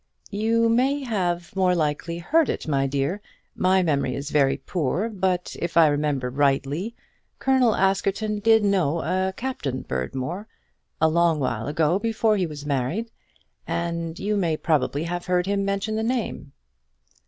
"You may more likely have heard it, my dear. My memory is very poor, but if I remember rightly, Colonel Askerton did know a Captain Berdmore, a long while ago, before he was married; and you may probably have heard him mention the name."